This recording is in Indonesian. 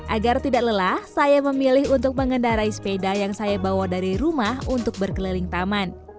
agar tidak lelah saya memilih untuk mengendarai sepeda yang saya bawa dari rumah untuk berkeliling taman